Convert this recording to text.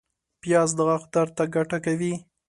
پیاز د غاښ درد ته ګټه کوي